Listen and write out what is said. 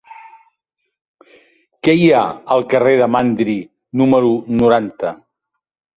Què hi ha al carrer de Mandri número noranta?